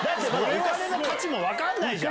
お金の価値も分かんないじゃん。